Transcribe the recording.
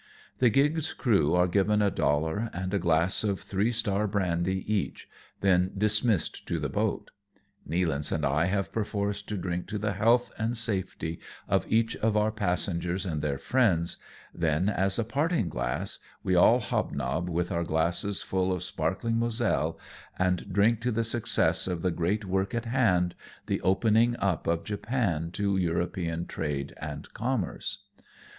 The gig's crew are given a dollar and glass of Three Star brandy each, then dismissed to the boat. Nealance and I have perforce to drink to the health and safety of each of our passengers and their friends, then, as a parting glass, we all hobnob, with our glasses full of sparkling Moselle, and drink to the success of the great work in hand, the opening up of Japan to European trade and commerce